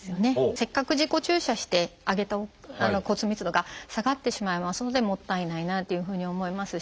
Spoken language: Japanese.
せっかく自己注射して上げた骨密度が下がってしまいますのでもったいないなというふうに思いますし。